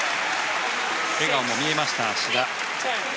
笑顔も見えました、志田。